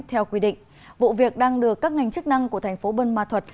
theo quy định vụ việc đang được các ngành chức năng của tp buôn ma thuật